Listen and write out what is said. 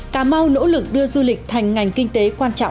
cà mau nỗ lực đưa du lịch thành ngành kinh tế quan trọng